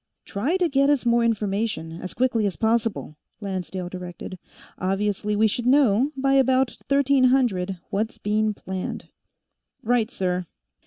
'" "Try to get us more information, as quickly as possible," Lancedale directed. "Obviously, we should know, by about thirteen hundred, what's being planned." "Right, sir."